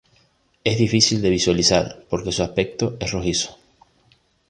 Es difícil de visualizar, porque su aspecto es rojizo.